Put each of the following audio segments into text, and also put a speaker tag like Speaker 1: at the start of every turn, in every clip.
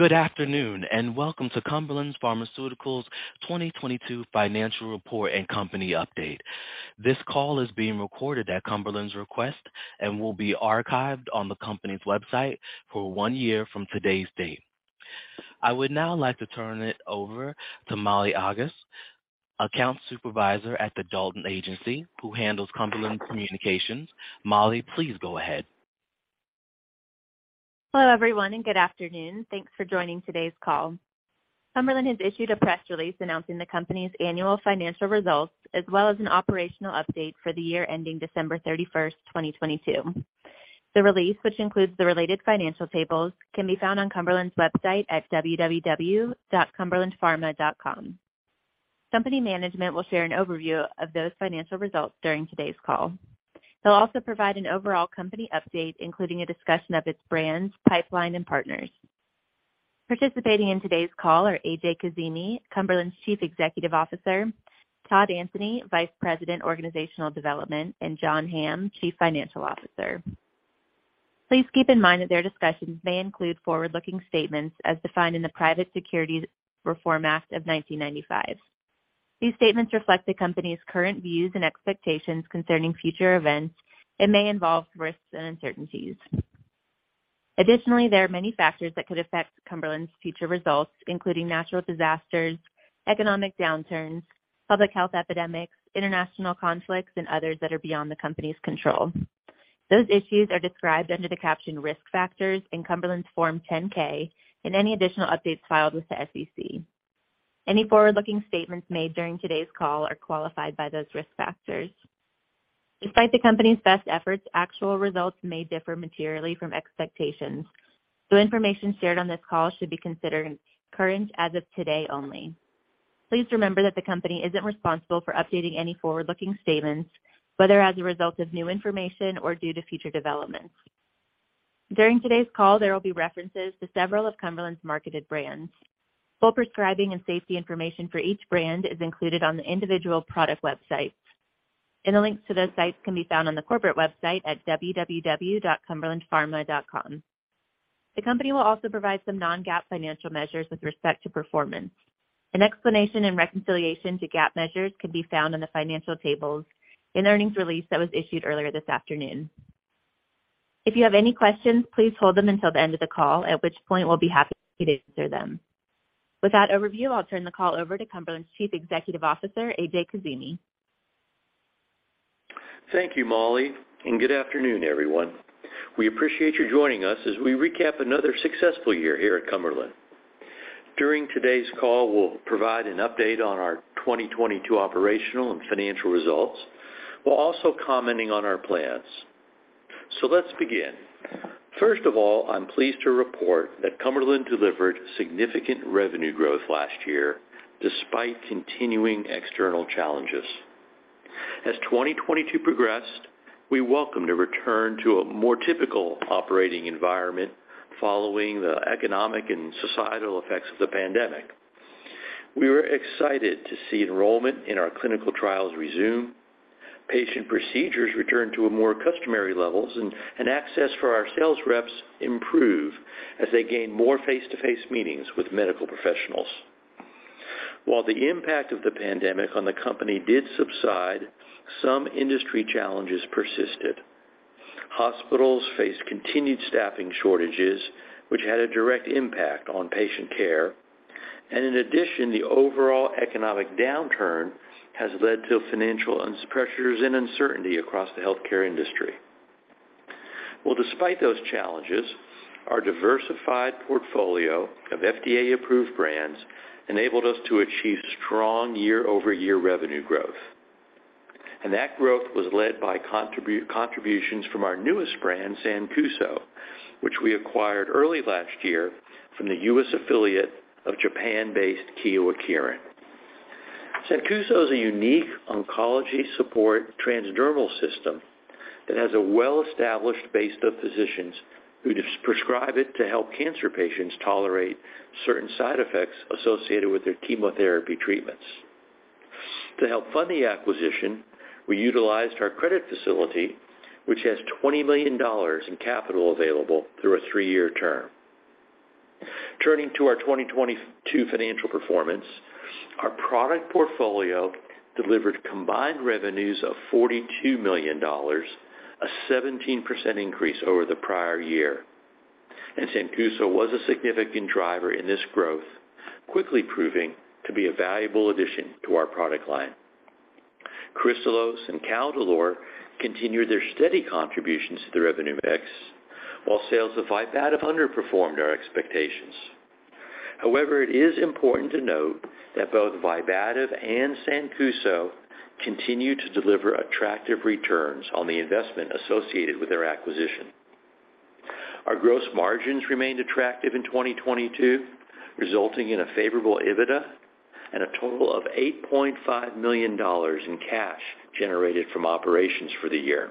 Speaker 1: Good afternoon, and welcome to Cumberland Pharmaceuticals' 2022 financial report and company update. This call is being recorded at Cumberland's request and will be archived on the company's website for one year from today's date. I would now like to turn it over to Molly Aggas, account supervisor at The Dalton Agency, who handles Cumberland Communications. Molly, please go ahead.
Speaker 2: Hello, everyone, and good afternoon. Thanks for joining today's call. Cumberland has issued a press release announcing the company's annual financial results as well as an operational update for the year ending 31st December 2022. The release, which includes the related financial tables, can be found on Cumberland's website at www.cumberlandpharma.com. Company management will share an overview of those financial results during today's call. They'll also provide an overall company update, including a discussion of its brands, pipeline, and partners. Participating in today's call are A.J. Kazimi, Cumberland's Chief Executive Officer, Todd Anthony, Vice President, Organizational Development, and John Hamm, Chief Financial Officer. Please keep in mind that their discussions may include forward-looking statements as defined in the Private Securities Litigation Reform Act of 1995. These statements reflect the company's current views and expectations concerning future events and may involve risks and uncertainties. Additionally, there are many factors that could affect Cumberland's future results, including natural disasters, economic downturns, public health epidemics, international conflicts, and others that are beyond the company's control. Those issues are described under the caption Risk Factors in Cumberland's Form 10-K and any additional updates filed with the SEC. Any forward-looking statements made during today's call are qualified by those risk factors. Despite the company's best efforts, actual results may differ materially from expectations. The information shared on this call should be considered current as of today only. Please remember that the company isn't responsible for updating any forward-looking statements, whether as a result of new information or due to future developments. During today's call, there will be references to several of Cumberland's marketed brands. Full prescribing and safety information for each brand is included on the individual product websites, and the links to those sites can be found on the corporate website at www.cumberlandpharma.com. The company will also provide some non-GAAP financial measures with respect to performance. An explanation and reconciliation to GAAP measures can be found in the financial tables and earnings release that was issued earlier this afternoon. If you have any questions, please hold them until the end of the call, at which point we'll be happy to answer them. With that overview, I'll turn the call over to Cumberland's Chief Executive Officer, A.J. Kazimi.
Speaker 3: Thank you, Molly, and good afternoon, everyone. We appreciate you joining us as we recap another successful year here at Cumberland. During today's call, we'll provide an update on our 2022 operational and financial results, while also commenting on our plans. Let's begin. First of all, I'm pleased to report that Cumberland delivered significant revenue growth last year despite continuing external challenges. As 2022 progressed, we welcomed a return to a more typical operating environment following the economic and societal effects of the pandemic. We were excited to see enrollment in our clinical trials resume, patient procedures return to a more customary levels, and access for our sales reps improve as they gained more face-to-face meetings with medical professionals. While the impact of the pandemic on the company did subside, some industry challenges persisted. Hospitals faced continued staffing shortages, which had a direct impact on patient care. In addition, the overall economic downturn has led to financial pressures and uncertainty across the healthcare industry. Despite those challenges, our diversified portfolio of FDA-approved brands enabled us to achieve strong year-over-year revenue growth. That growth was led by contributions from our newest brand, Sancuso, which we acquired early last year from the US affiliate of Japan-based Kyowa Kirin. Sancuso is a unique oncology support transdermal system that has a well-established base of physicians who just prescribe it to help cancer patients tolerate certain side effects associated with their chemotherapy treatments. To help fund the acquisition, we utilized our credit facility, which has $20 million in capital available through a three-year term. Turning to our 2022 financial performance, our product portfolio delivered combined revenues of $42 million, a 17% increase over the prior year. Sancuso was a significant driver in this growth, quickly proving to be a valuable addition to our product line. Kristalose and Caldolor continued their steady contributions to the revenue mix, while sales of Vibativ underperformed our expectations. It is important to note that both Vibativ and Sancuso continue to deliver attractive returns on the investment associated with their acquisition. Our gross margins remained attractive in 2022, resulting in a favorable EBITDA and a total of $8.5 million in cash generated from operations for the year.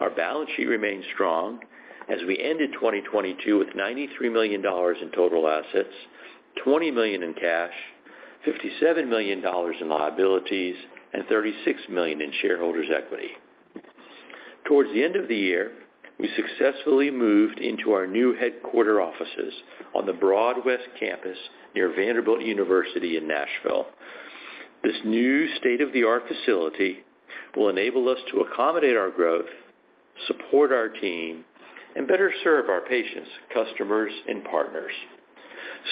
Speaker 3: Our balance sheet remained strong as we ended 2022 with $93 million in total assets, $20 million in cash, $57 million in liabilities, and $36 million in shareholders' equity. Towards the end of the year, we successfully moved into our new headquarter offices on the Broadwest Campus near Vanderbilt University in Nashville. This new state-of-the-art facility will enable us to accommodate our growth, support our team, and better serve our patients, customers, and partners.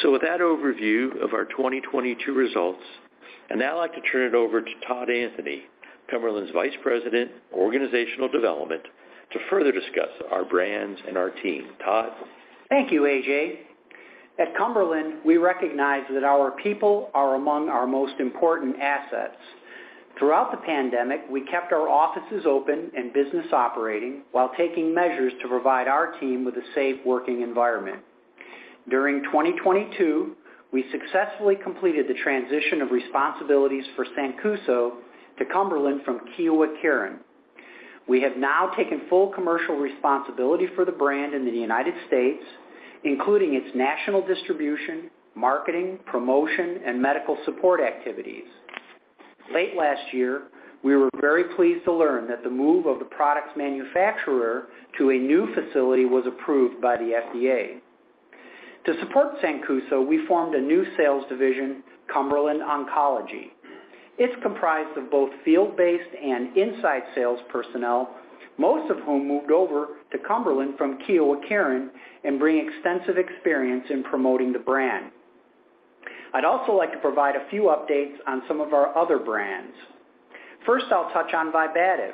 Speaker 3: With that overview of our 2022 results, I'd now like to turn it over to Todd Anthony, Cumberland's Vice President, Organizational Development, to further discuss our brands and our team. Todd?
Speaker 4: Thank you, A.J. At Cumberland, we recognize that our people are among our most important assets. Throughout the pandemic, we kept our offices open and business operating while taking measures to provide our team with a safe working environment. During 2022, we successfully completed the transition of responsibilities for Sancuso to Cumberland from Kyowa Kirin. We have now taken full commercial responsibility for the brand in the United States, including its national distribution, marketing, promotion, and medical support activities. Late last year, we were very pleased to learn that the move of the product's manufacturer to a new facility was approved by the FDA. To support Sancuso, we formed a new sales division, Cumberland Oncology. It's comprised of both field-based and inside sales personnel, most of whom moved over to Cumberland from Kyowa Kirin and bring extensive experience in promoting the brand. I'd also like to provide a few updates on some of our other brands. First, I'll touch on Vibativ,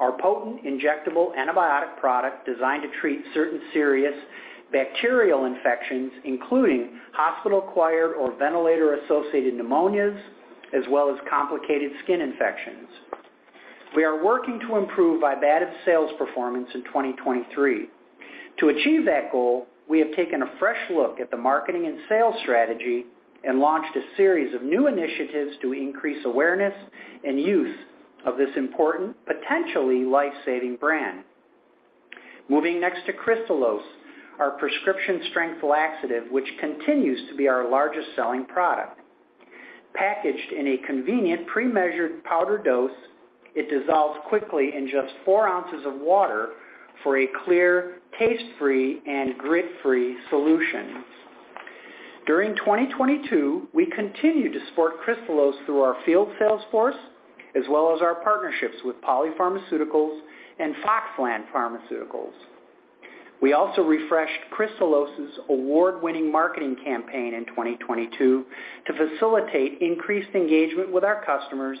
Speaker 4: our potent injectable antibiotic product designed to treat certain serious bacterial infections, including hospital-acquired or ventilator-associated pneumonias, as well as complicated skin infections. We are working to improve Vibativ's sales performance in 2023. To achieve that goal, we have taken a fresh look at the marketing and sales strategy and launched a series of new initiatives to increase awareness and use of this important, potentially life-saving brand. Moving next to Kristalose, our prescription strength laxative, which continues to be our largest selling product. Packaged in a convenient pre-measured powder dose, it dissolves quickly in just 4 ounces of water for a clear, taste-free, and grit-free solution. During 2022, we continued to support Kristalose through our field sales force, as well as our partnerships with Poly Pharmaceuticals and Foxland Pharmaceuticals. We also refreshed Kristalose's award-winning marketing campaign in 2022 to facilitate increased engagement with our customers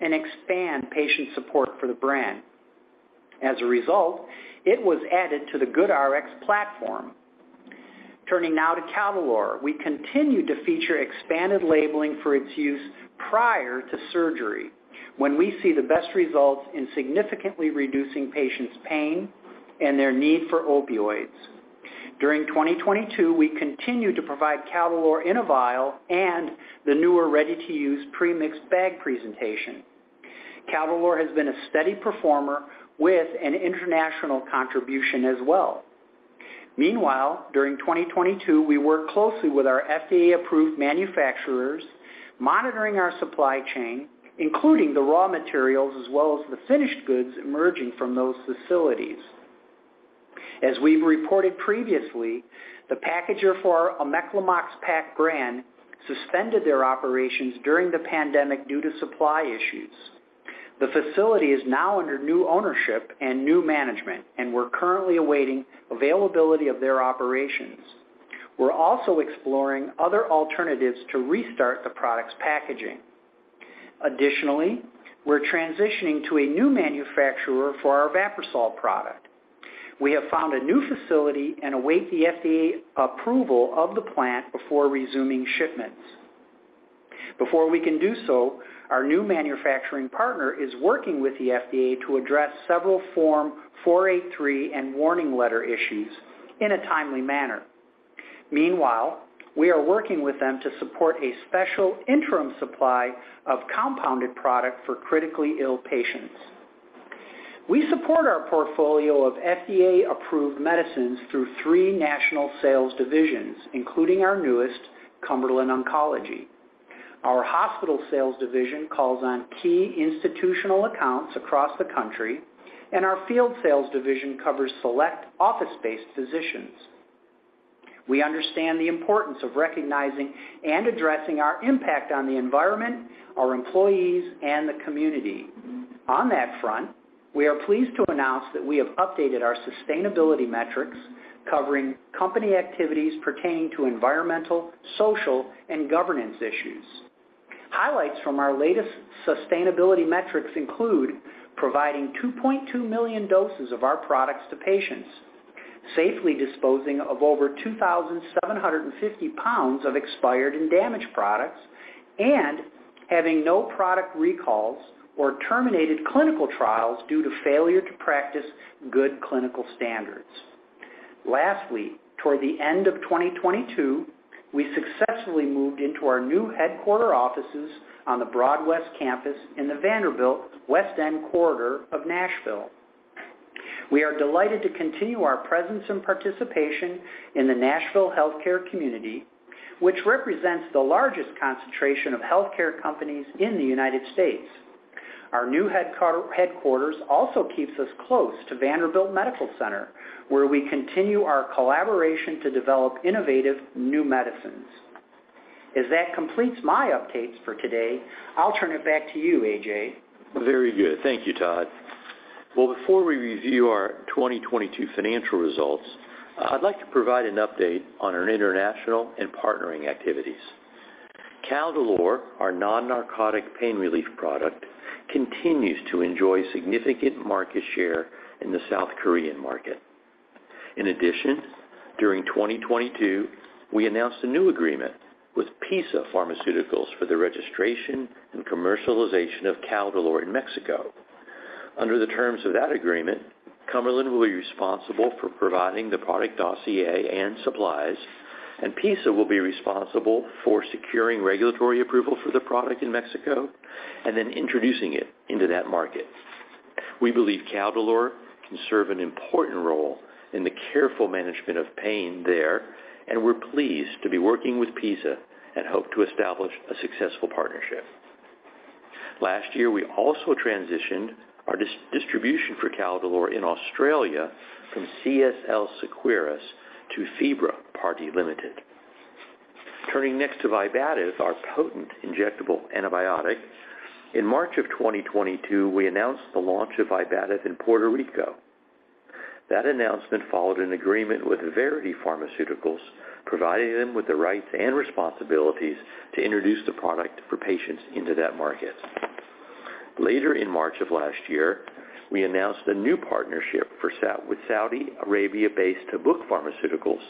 Speaker 4: and expand patient support for the brand. As a result, it was added to the GoodRx platform. Turning now to Caldolor, we continue to feature expanded labeling for its use prior to surgery when we see the best results in significantly reducing patients' pain and their need for opioids. During 2022, we continued to provide Caldolor in a vial and the newer ready-to-use pre-mixed bag presentation. Caldolor has been a steady performer with an international contribution as well. Meanwhile, during 2022, we worked closely with our FDA-approved manufacturers, monitoring our supply chain, including the raw materials as well as the finished goods emerging from those facilities. As we've reported previously, the packager for our Omeclamox-Pak brand suspended their operations during the pandemic due to supply issues. The facility is now under new ownership and new management. We're currently awaiting availability of their operations. We're also exploring other alternatives to restart the product's packaging. We're transitioning to a new manufacturer for our Vaprisol product. We have found a new facility and await the FDA approval of the plant before resuming shipments. Our new manufacturing partner is working with the FDA to address several Form 483 and warning letter issues in a timely manner. We are working with them to support a special interim supply of compounded product for critically ill patients. We support our portfolio of FDA-approved medicines through three national sales divisions, including our newest, Cumberland Oncology. Our hospital sales division calls on key institutional accounts across the country, and our field sales division covers select office-based physicians. We understand the importance of recognizing and addressing our impact on the environment, our employees, and the community. On that front, we are pleased to announce that we have updated our sustainability metrics covering company activities pertaining to environmental, social, and governance issues. Highlights from our latest sustainability metrics include providing 2.2 million doses of our products to patients, safely disposing of over 2,750 pounds of expired and damaged products, and having no product recalls or terminated clinical trials due to failure to practice good clinical standards. Lastly, toward the end of 2022, we successfully moved into our new headquarter offices on the Broadwest in the Vanderbilt West End corridor of Nashville. We are delighted to continue our presence and participation in the Nashville healthcare community. Which represents the largest concentration of healthcare companies in the United States. Our new headquarters also keeps us close to Vanderbilt Medical Center, where we continue our collaboration to develop innovative new medicines. As that completes my updates for today, I'll turn it back to you, A.J..
Speaker 3: Very good. Thank you, Todd. Well, before we review our 2022 financial results, I'd like to provide an update on our international and partnering activities. Caldolor, our non-narcotic pain relief product, continues to enjoy significant market share in the South Korean market. In addition, during 2022, we announced a new agreement with PiSA Pharmaceuticals for the registration and commercialization of Caldolor in Mexico. Under the terms of that agreement, Cumberland will be responsible for providing the product dossier and supplies, and PiSA will be responsible for securing regulatory approval for the product in Mexico and then introducing it into that market. We believe Caldolor can serve an important role in the careful management of pain there, and we're pleased to be working with PiSA and hope to establish a successful partnership. Last year, we also transitioned our distribution for Caldolor in Australia from CSL Seqirus to Phebra Pty Limited. Turning next to Vibativ, our potent injectable antibiotic. In March of 2022, we announced the launch of Vibativ in Puerto Rico. That announcement followed an agreement with Verity Pharmaceuticals, providing them with the rights and responsibilities to introduce the product for patients into that market. Later in March of last year, we announced a new partnership with Saudi Arabia-based Tabuk Pharmaceuticals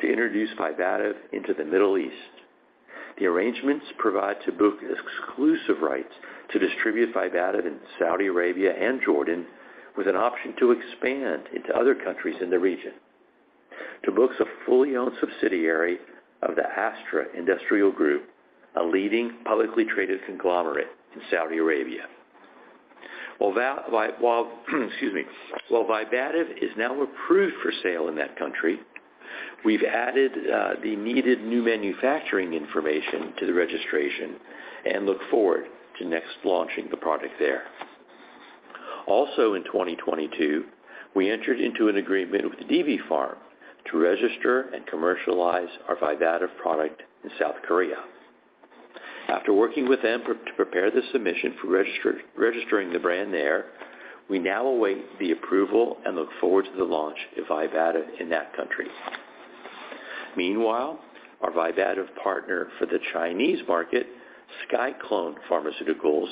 Speaker 3: to introduce Vibativ into the Middle East. The arrangements provide Tabuk exclusive rights to distribute Vibativ in Saudi Arabia and Jordan, with an option to expand into other countries in the region. Tabuk's a fully owned subsidiary of the Astra Industrial Group, a leading publicly traded conglomerate in Saudi Arabia. While, excuse me. While Vibativ is now approved for sale in that country, we've added the needed new manufacturing information to the registration and look forward to next launching the product there. In 2022, we entered into an agreement with Doubli Pharm to register and commercialize our Vibativ product in South Korea. After working with them to prepare the submission for registering the brand there, we now await the approval and look forward to the launch of Vibativ in that country. Our Vibativ partner for the Chinese market, SciClone Pharmaceuticals,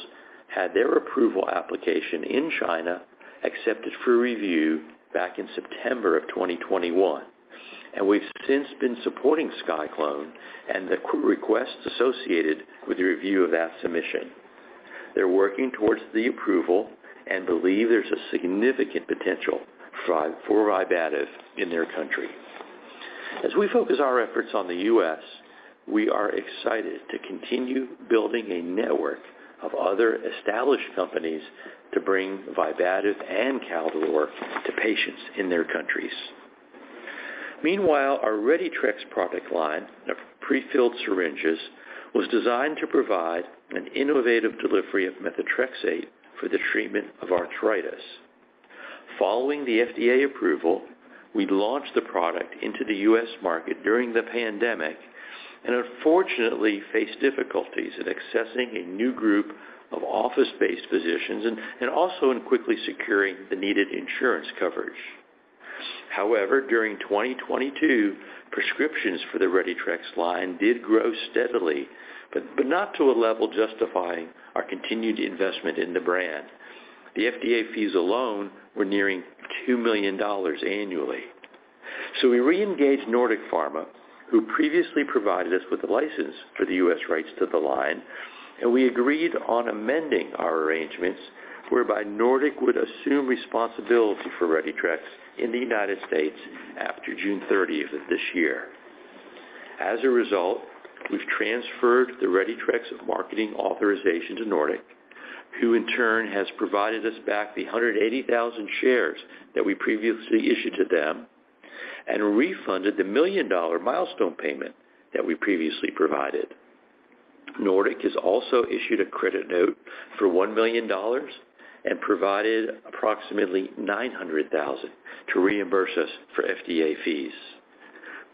Speaker 3: had their approval application in China accepted for review back in September of 2021, and we've since been supporting SciClone and the requests associated with the review of that submission. They're working towards the approval and believe there's a significant potential for Vibativ in their country. As we focus our efforts on the US, we are excited to continue building a network of other established companies to bring Vibativ and Caldolor to patients in their countries. Meanwhile, our RediTrex product line of prefilled syringes was designed to provide an innovative delivery of methotrexate for the treatment of arthritis. Following the FDA approval, we launched the product into the US market during the pandemic, and unfortunately faced difficulties in accessing a new group of office-based physicians and also in quickly securing the needed insurance coverage. However, during 2022, prescriptions for the RediTrex line did grow steadily, but not to a level justifying our continued investment in the brand. The FDA fees alone were nearing $2 million annually. We re-engaged Nordic Pharma, who previously provided us with the license for the US rights to the line, and we agreed on amending our arrangements whereby Nordic would assume responsibility for RediTrex in the United States after June 30th of this year. As a result, we've transferred the RediTrex marketing authorization to Nordic, who in turn has provided us back the 180,000 shares that we previously issued to them and refunded the $1 million milestone payment that we previously provided. Nordic has also issued a credit note for $1 million and provided approximately $900,000 to reimburse us for FDA fees.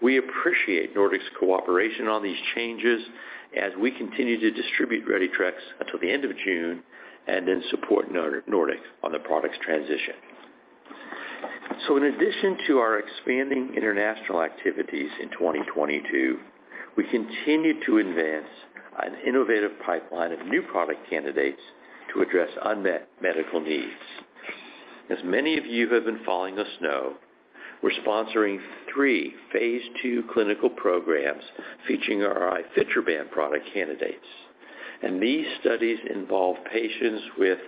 Speaker 3: We appreciate Nordic's cooperation on these changes as we continue to distribute RediTrex until the end of June and then support Nordic on the product's transition. In addition to our expanding international activities in 2022, we continued to advance an innovative pipeline of new product candidates to address unmet medical needs. As many of you who have been following us know, we're sponsoring three phase II clinical programs featuring our ifetroban product candidates. These studies involve patients with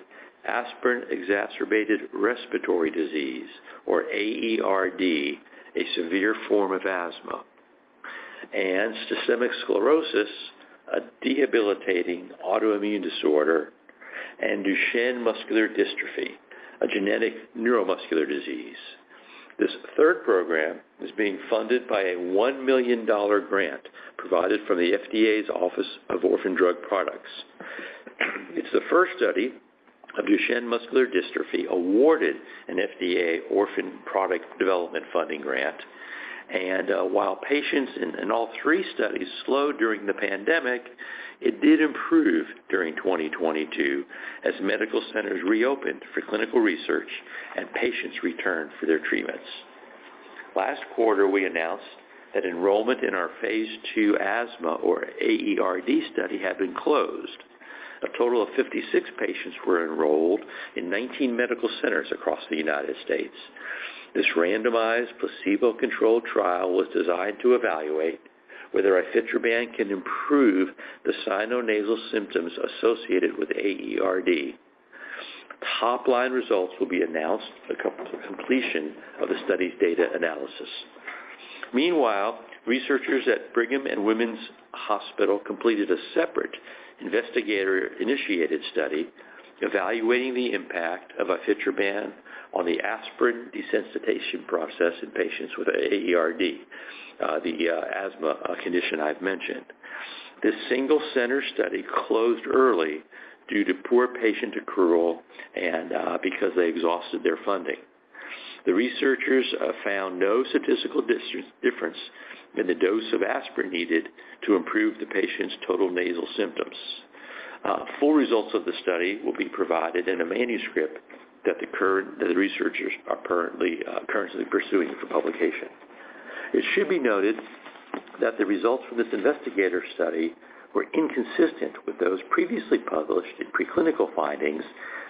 Speaker 3: Aspirin-Exacerbated Respiratory Disease, or AERD, a severe form of asthma, systemic sclerosis, a debilitating autoimmune disorder, Duchenne muscular dystrophy, a genetic neuromuscular disease. This third program is being funded by a $1 million grant provided from the FDA's Office of Orphan Products Development. It's the first study of Duchenne muscular dystrophy awarded an FDA Orphan Products Development funding grant. While patients in all three studies slowed during the pandemic, it did improve during 2022 as medical centers reopened for clinical research and patients returned for their treatments. Last quarter, we announced that enrollment in our Phase II asthma or AERD study had been closed. A total of 56 patients were enrolled in 19 medical centers across the United States. This randomized, placebo-controlled trial was designed to evaluate whether ifetroban can improve the sino-nasal symptoms associated with AERD. Top-line results will be announced upon completion of the study's data analysis. Meanwhile, researchers at Brigham and Women's Hospital completed a separate investigator-initiated study evaluating the impact of ifetroban on the aspirin desensitization process in patients with AERD. This single center study closed early due to poor patient accrual and because they exhausted their funding. The researchers found no statistical difference in the dose of aspirin needed to improve the patient's total nasal symptoms. Full results of this study will be provided in a manuscript that the researchers are currently pursuing for publication. It should be noted that the results from this investigator study were inconsistent with those previously published in preclinical findings,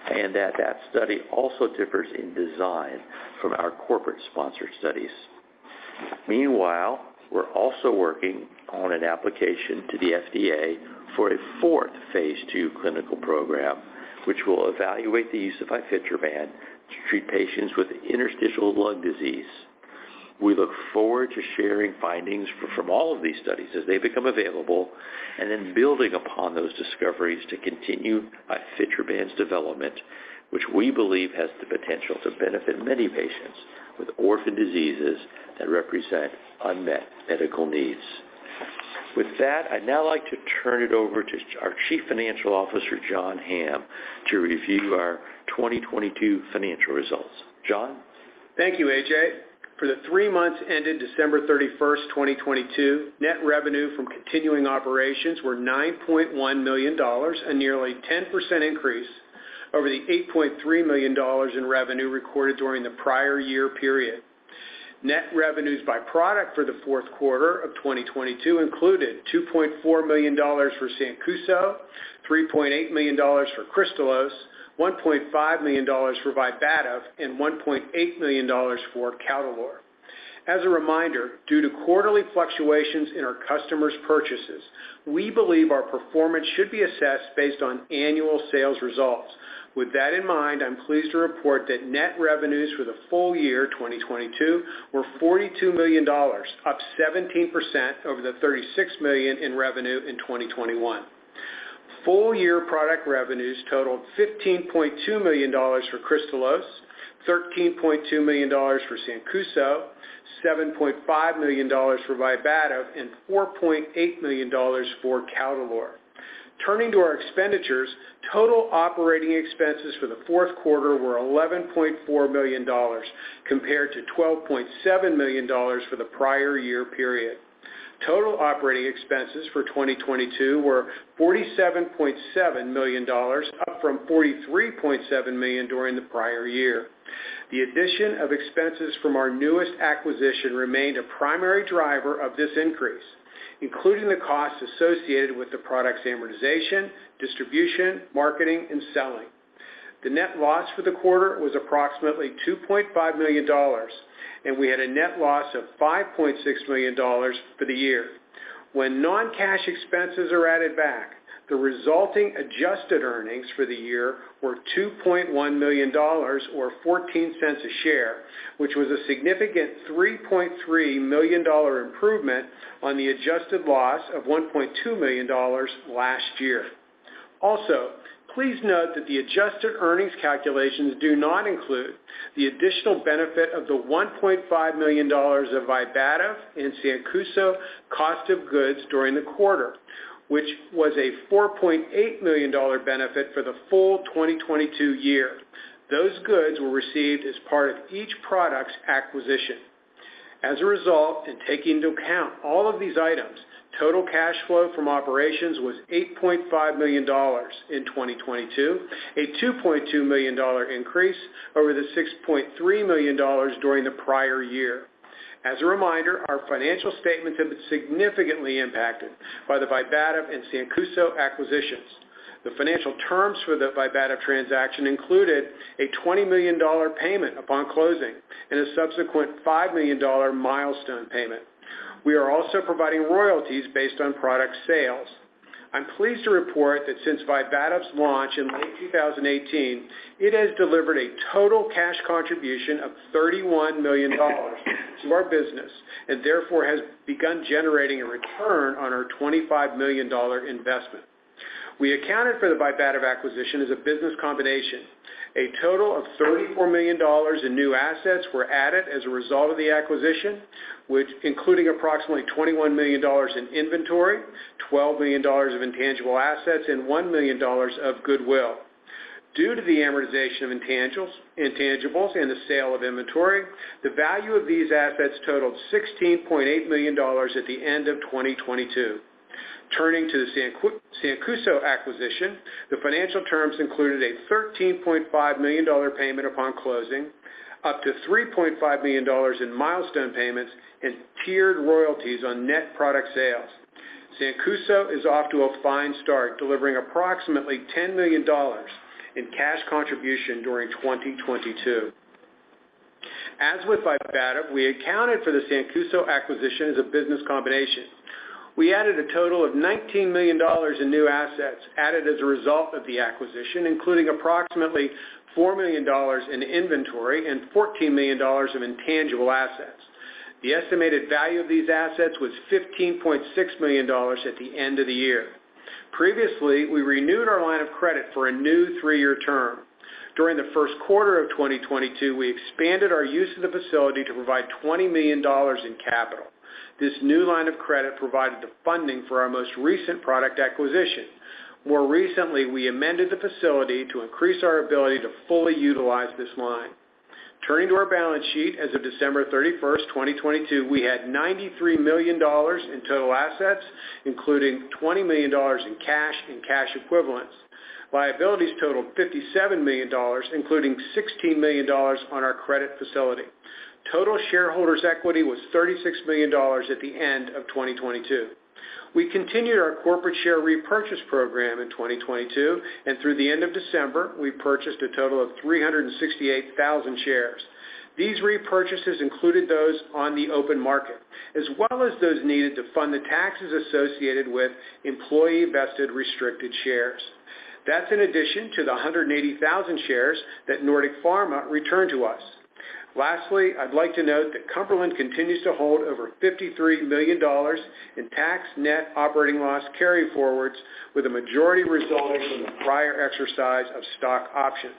Speaker 3: and that that study also differs in design from our corporate sponsored studies. We're also working on an application to the FDA for a 4th Phase II clinical program, which will evaluate the use of ifetroban to treat patients with interstitial lung disease. We look forward to sharing findings from all of these studies as they become available, building upon those discoveries to continue ifetroban's development, which we believe has the potential to benefit many patients with orphan diseases that represent unmet medical needs. With that, I'd now like to turn it over to our Chief Financial Officer, John Hamm, to review our 2022 financial results. John?
Speaker 5: Thank you, A.J. For the three months ended 31st December 2022, net revenue from continuing operations were $9.1 million, a nearly 10% increase over the $8.3 million in revenue recorded during the prior year period. Net revenues by product for the Q4 of 2022 included $2.4 million for Sancuso, $3.8 million for Kristalose, $1.5 million for Vibativ, and $1.8 million for Caldolor. As a reminder, due to quarterly fluctuations in our customers' purchases, we believe our performance should be assessed based on annual sales results. With that in mind, I'm pleased to report that net revenues for the full year 2022 were $42 million, up 17% over the $36 million in revenue in 2021. Full year product revenues totaled $15.2 million for Kristalose, $13.2 million for Sancuso, $7.5 million for Vibativ, and $4.8 million for Caldolor. Turning to our expenditures, total operating expenses for the Q4 were $11.4 million, compared to $12.7 million for the prior year period. Total operating expenses for 2022 were $47.7 million, up from $43.7 million during the prior year. The addition of expenses from our newest acquisition remained a primary driver of this increase, including the cost associated with the product's amortization, distribution, marketing, and selling. The net loss for the quarter was approximately $2.5 million, and we had a net loss of $5.6 million for the year. When non-cash expenses are added back, the resulting adjusted earnings for the year were $2.1 million or $0.14 a share, which was a significant $3.3 million improvement on the adjusted loss of $1.2 million last year. Please note that the adjusted earnings calculations do not include the additional benefit of the $1.5 million of Vibativ and Sancuso cost of goods during the quarter, which was a $4.8 million benefit for the full 2022 year. Those goods were received as part of each product's acquisition. In taking into account all of these items, total cash flow from operations was $8.5 million in 2022, a $2.2 million increase over the $6.3 million during the prior year. As a reminder, our financial statements have been significantly impacted by the Vibativ and Sancuso acquisitions. The financial terms for the Vibativ transaction included a $20 million payment upon closing and a subsequent $5 million milestone payment. We are also providing royalties based on product sales. I'm pleased to report that since Vibativ's launch in late 2018, it has delivered a total cash contribution of $31 million to our business and therefore has begun generating a return on our $25 million investment. We accounted for the Vibativ acquisition as a business combination. A total of $34 million in new assets were added as a result of the acquisition, which including approximately $21 million in inventory, $12 million of intangible assets, and $1 million of goodwill. Due to the amortization of intangibles and the sale of inventory, the value of these assets totaled $16.8 million at the end of 2022. Turning to the Sancuso acquisition, the financial terms included a $13.5 million payment upon closing, up to $3.5 million in milestone payments and tiered royalties on net product sales. Sancuso is off to a fine start, delivering approximately $10 million in cash contribution during 2022. As with Vibativ, we accounted for the Sancuso acquisition as a business combination. We added a total of $19 million in new assets added as a result of the acquisition, including approximately $4 million in inventory and $14 million of intangible assets. The estimated value of these assets was $15.6 million at the end of the year. Previously, we renewed our line of credit for a new three-year term. During the Q1 of 2022, we expanded our use of the facility to provide $20 million in capital. This new line of credit provided the funding for our most recent product acquisition. More recently, we amended the facility to increase our ability to fully utilize this line. Turning to our balance sheet, as of 31st December 2022, we had $93 million in total assets, including $20 million in cash and cash equivalents. Liabilities totaled $57 million, including $16 million on our credit facility. Total shareholders' equity was $36 million at the end of 2022. We continued our corporate share repurchase program in 2022, and through the end of December, we purchased a total of 368,000 shares. These repurchases included those on the open market, as well as those needed to fund the taxes associated with employee-vested restricted shares. That's in addition to the 180,000 shares that Nordic Pharma returned to us. Lastly, I'd like to note that Cumberland continues to hold over $53 million in tax net operating loss carryforwards, with the majority resulting from the prior exercise of stock options.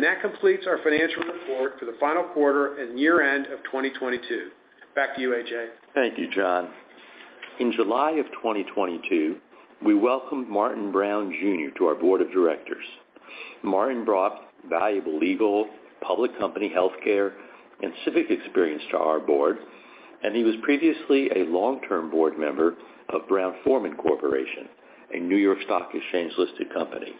Speaker 5: That completes our financial report for the final quarter and year-end of 2022. Back to you, A.J.
Speaker 3: Thank you, John. In July of 2022, we welcomed Martin Brown Jr. to our board of directors. Martin brought valuable legal, public company, healthcare, and civic experience to our board. He was previously a long-term board member of Brown-Forman Corporation, a New York Stock Exchange-listed company.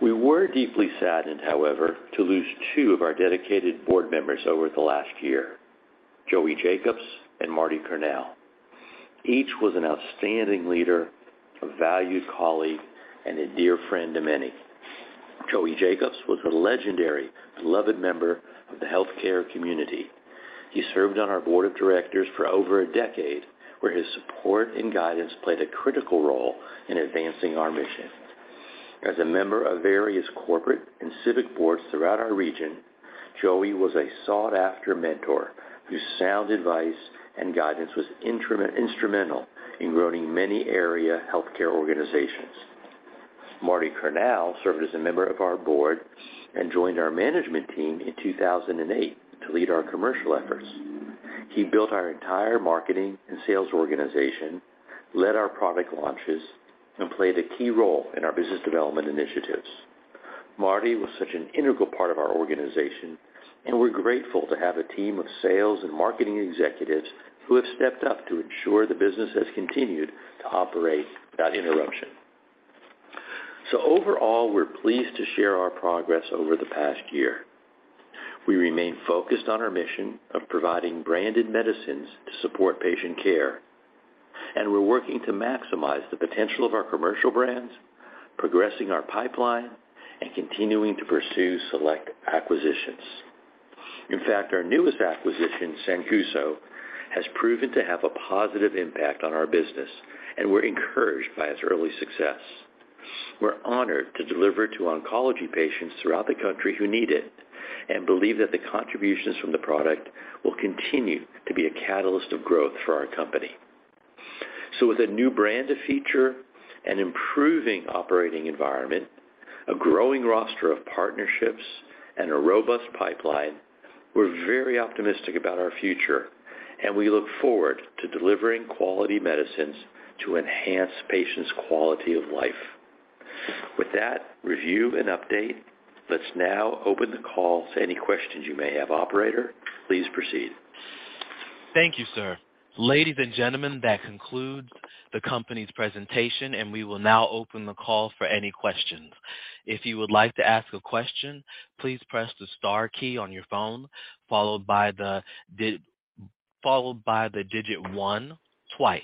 Speaker 3: We were deeply saddened, however, to lose two of our dedicated board members over the last year, Joey Jacobs and Marty Cornell. Each was an outstanding leader, a valued colleague, and a dear friend to many. Joey Jacobs was a legendary beloved member of the healthcare community. He served on our board of directors for over a decade, where his support and guidance played a critical role in advancing our mission. As a member of various corporate and civic boards throughout our region, Joey was a sought-after mentor whose sound advice and guidance was instrumental in growing many area healthcare organizations. Marty Cornell served as a member of our board and joined our management team in 2008 to lead our commercial efforts. He built our entire marketing and sales organization, led our product launches, and played a key role in our business development initiatives. Marty was such an integral part of our organization, we're grateful to have a team of sales and marketing executives who have stepped up to ensure the business has continued to operate without interruption. Overall, we're pleased to share our progress over the past year. We remain focused on our mission of providing branded medicines to support patient care, we're working to maximize the potential of our commercial brands, progressing our pipeline, and continuing to pursue select acquisitions. In fact, our newest acquisition, Sancuso, has proven to have a positive impact on our business, we're encouraged by its early success. We're honored to deliver to oncology patients throughout the country who need it and believe that the contributions from the product will continue to be a catalyst of growth for our company. With a new brand to feature, an improving operating environment, a growing roster of partnerships, and a robust pipeline, we're very optimistic about our future, and we look forward to delivering quality medicines to enhance patients' quality of life. With that review and update, let's now open the call to any questions you may have. Operator, please proceed.
Speaker 1: Thank you, sir. Ladies and gentlemen, that concludes the company's presentation. We will now open the call for any questions. If you would like to ask a question, please press the star key on your phone, followed by the digit one twice.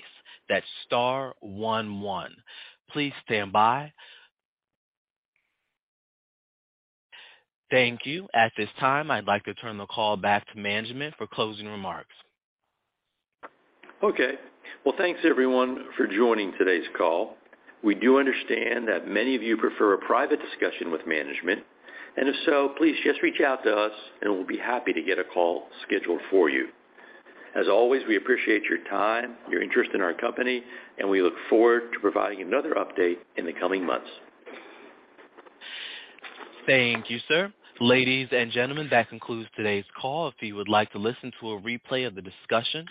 Speaker 1: That's star one one. Please stand by. Thank you. At this time, I'd like to turn the call back to management for closing remarks.
Speaker 3: Okay. Well, thanks, everyone, for joining today's call. We do understand that many of you prefer a private discussion with management, and if so, please just reach out to us, and we'll be happy to get a call scheduled for you. As always, we appreciate your time, your interest in our company, and we look forward to providing another update in the coming months.
Speaker 1: Thank you, sir. Ladies and gentlemen, that concludes today's call. If you would like to listen to a replay of the discussion,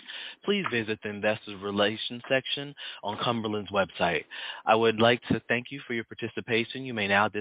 Speaker 1: please visit the investors relations section on Cumberland's website. I would like to thank you for your participation. You may now disconnect.